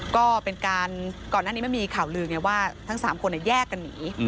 ก็เป็นการก่อนหน้านี้มันมีข่าวลือไงว่าทั้ง๓คนแยกกันหนี